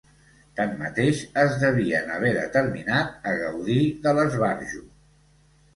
Tanmateix es devien haver determinat a gaudir de l'esbarjo